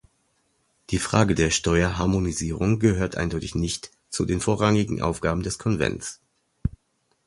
Die Frage der Steuerharmonisierung gehört eindeutig nicht zu den vorrangigen Aufgaben des Konvents.